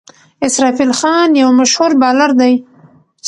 اسرافیل خان یو مشهور بالر دئ.